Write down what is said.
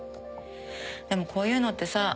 でもこういうのってさ考え方